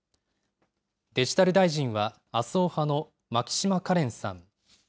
デジタル大臣は麻生派の牧島かれんさん。